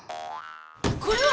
これは！